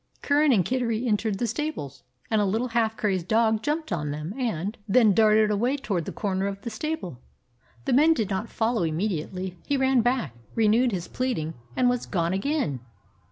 Curran and Kittery entered the stables. A little half crazed dog jumped on them, and 171 DOG HEROES OF MANY LANDS then darted away toward the corner of the stable. The men did not follow immediately. He ran back, renewed his pleading, and was gone again.